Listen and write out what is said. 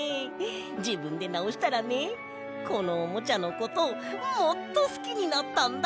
じぶんでなおしたらねこのおもちゃのこともっとすきになったんだ！